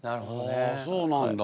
ああそうなんだ。